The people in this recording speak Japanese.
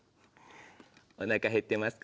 お腹減ってますか？